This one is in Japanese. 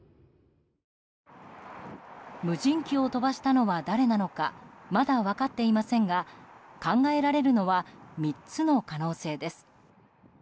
無人機を飛ばしたのは誰なのかまだ分かっていませんが考えられるのは３つの可能性です。